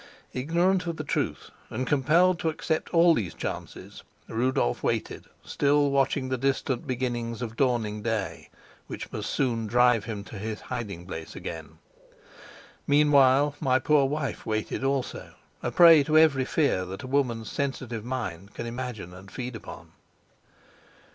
Ignorant of the truth and compelled to accept all these chances, Rudolf waited, still watching the distant beginnings of dawning day, which must soon drive him to his hiding place again. Meanwhile my poor wife waited also, a prey to every fear that a woman's sensitive mind can imagine and feed upon.